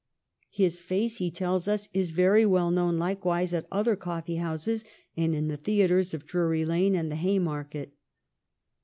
His face, he tells us, is very well known likewise at other coffee houses and in the theatres of Drury Lane and the Haymarket.